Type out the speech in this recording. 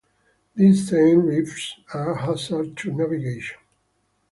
These same reefs are hazards to navigation.